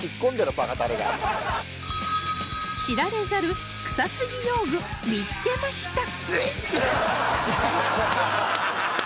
知られざるクサすぎ用具見つけました